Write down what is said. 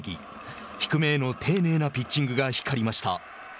低めへの丁寧なピッチングが光りました。